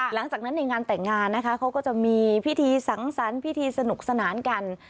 หลังจากนั้นในงานแต่งงานนะคะเขาก็จะมีพิธีสังสรรค์พิธีสนุกสนานกัน